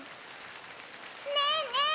ねえねえ